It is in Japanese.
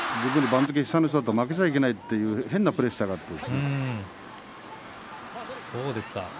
番付下の人だと負けてはいけないという変なプレッシャーがあって。